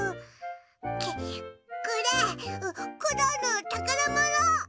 これコロンのたからもの！